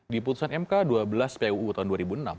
di putusan mk dua belas puu tahun dua ribu enam